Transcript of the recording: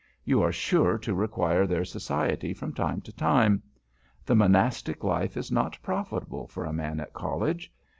You are sure to require their society from time to time. The Monastic life is not profitable for a man at College.